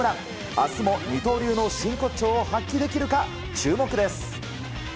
明日も二刀流の真骨頂を発揮できるか、注目です。